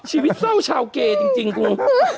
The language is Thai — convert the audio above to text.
ชีวิตเศร้าชาวเก่จริงกู